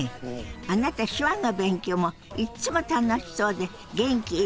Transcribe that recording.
あなた手話の勉強もいっつも楽しそうで元気いっぱいですもんね！